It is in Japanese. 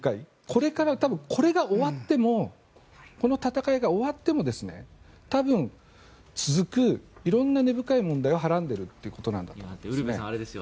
これから多分、これが終わってもこの戦いが終わっても多分、続く色んな根深い問題をはらんでいるということだと思います。